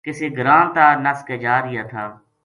کِسے گراں تا نس کے جا رہیا تھا